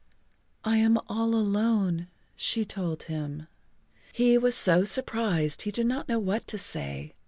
"I am all alone," she told him. He was so surprised he did not know what to say.